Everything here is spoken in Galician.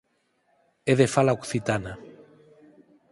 É de fala occitana.